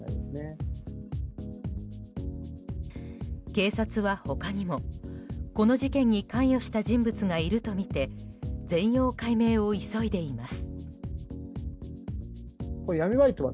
警察は他にも、この事件に関与した人物がいるとみて全容解明を急いでいます。